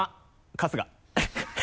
春日。